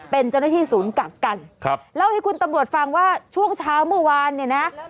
เป็นเจ้าหน้าที่ศูนย์กักกันครับเล่าให้คุณตำรวจฟังว่าช่วงเช้าเมื่อวานเนี่ยนะ